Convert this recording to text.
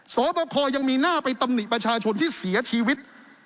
สอบคอยังมีหน้าไปตำหนิประชาชนที่เสียชีวิต